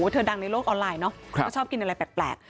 เธอดังในโลกออนไลน์เนอะก็ชอบกินอะไรแปลก